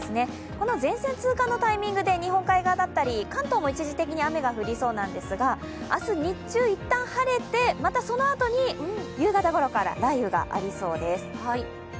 この前線通過のタイミングで日本海側だったり、関東も一時的に雨が降りそうなんですが、明日日中いったん晴れて、またそのあとに夕方ごろから雷雨がありそうです。